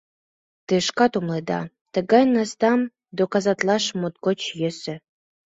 Те шкат умыледа: тыгай настам доказатлаш моткоч йӧсӧ.